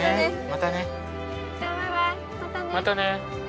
またね。